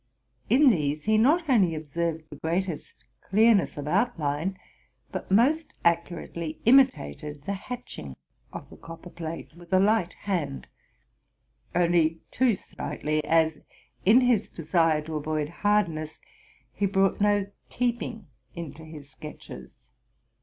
In these he not only observed the greatest clearness of' outline, but most accurately imitated the hatching of the copperplate with a light hand —only too slightly, as in his desire to avoid hardness he brought no keeping into his sketches.